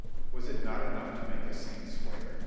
Was it not enough to make a saint swear?